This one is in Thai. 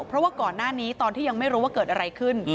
เพราะว่าก่อนหน้านี้ตอนที่ยังไม่รู้ว่าเกิดอะไรขึ้น